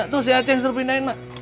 tuh si aceh yang suruh pindahin mak